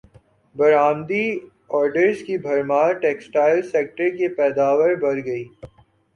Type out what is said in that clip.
برامدی orders کی بھرمار textile سیکٹرکی پیداوار بڑھ گئی